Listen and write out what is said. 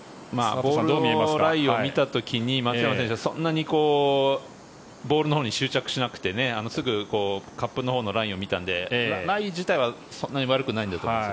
ボールのライを見た時に松山選手はそんなにボールのほうに執着していなくてすぐカップのほうのラインを見たのでライ自体はそんなに悪くないんだと思います。